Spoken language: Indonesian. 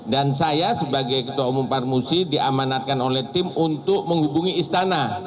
dan saya sebagai ketua umum parmusi diamanatkan oleh tim untuk menghubungi istana